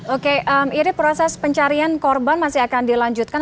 oke ini proses pencarian korban masih akan dilanjutkan